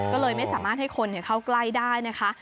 ก็เลยไม่สามารถให้คนเข้าใกล้ได้นะคะ